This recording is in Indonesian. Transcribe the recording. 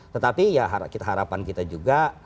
tetapi harapan kita juga